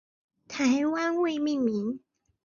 台湾未命名。